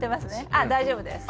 ああ大丈夫です。